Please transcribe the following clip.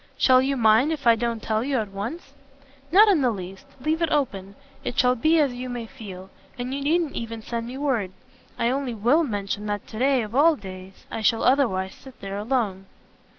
"Shall you mind if I don't tell you at once?" "Not in the least leave it open: it shall be as you may feel, and you needn't even send me word. I only WILL mention that to day, of all days, I shall otherwise sit there alone."